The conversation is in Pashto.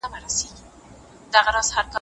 ده د بيت المال ساتنه په صداقت ترسره کوله.